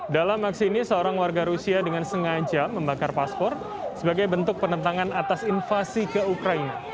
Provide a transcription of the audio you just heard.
dalam aksi ini seorang warga rusia dengan sengaja membakar paspor sebagai bentuk penentangan atas invasi ke ukraina